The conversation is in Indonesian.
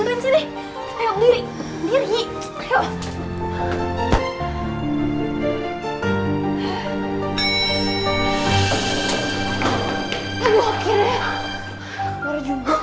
kalian yang menneyendr